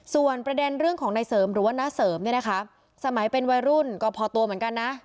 ส่วนประเด็นเรื่องของนายเสริมหรือว่าน้าเสริมเนี่ยนะคะสมัยเป็นวัยรุ่นก็พอตัวเหมือนกันนะ